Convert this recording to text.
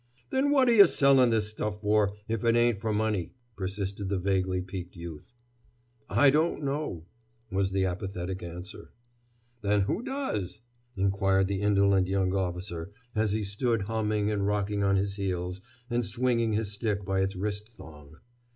"Then what're yuh sellin' this stuff for, if it ain't for money?" persisted the vaguely piqued youth. "I don' know!" was the apathetic answer. "Then who does?" inquired the indolent young officer, as he stood humming and rocking on his heels and swinging his stick by its wrist thong.